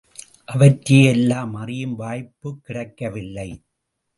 அவற்றை எல்லாம் அறியும் வாய்ப்புக் கிடைக்கவில்லை.